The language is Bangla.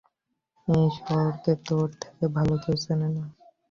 এই শহরকে তোর থেকে ভালো কেউ চেনে না।